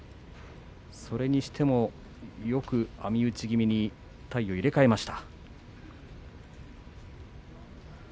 それにしても、よく網打ち気味に体を入れ替えました。